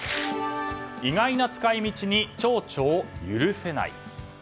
意外な使い道に、町長許せない。